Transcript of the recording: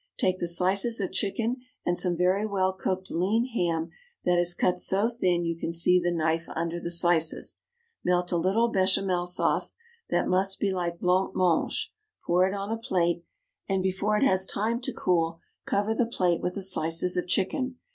Take the slices of chicken and some very well cooked lean ham that is cut so thin you can see the knife under the slices. Melt a little béchamel sauce, that must be like blanc mange, pour it on a plate, and before it has time to cool cover the plate with the slices of chicken.